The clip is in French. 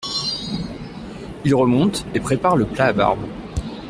Il remonte et prépare le plat à barbe.